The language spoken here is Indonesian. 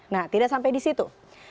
nah tidak sampai di situ